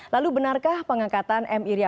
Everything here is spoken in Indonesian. lalu benarkah pengangkatan m irya